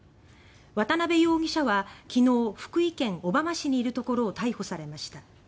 渡部容疑者は昨日福井県小浜市にいるところを逮捕されました。